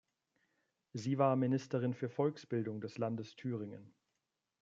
Sie war Ministerin für Volksbildung des Landes Thüringen.